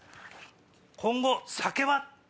「今後酒は？」